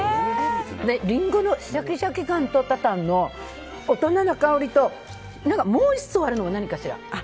リンゴのシャキシャキ感とタタンの大人な香りともう１層あるのは何かしら。